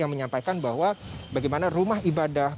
yang menyampaikan bahwa bagaimana rumah ibadah